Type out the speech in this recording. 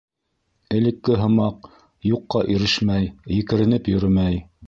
Элекке һымаҡ, юҡҡа ирешмәй, екеренеп йөрөмәй.